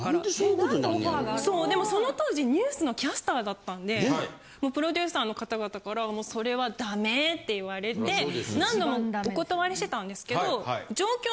でもその当時ニュースのキャスターだったんでプロデューサーの方々からそれはダメ！って言われて何度もお断りしてたんですけど。